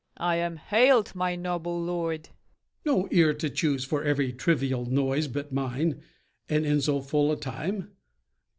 I am hailed, my noble lord. MORE. No ear to choose for every trivial noise but mine, and in so full a time?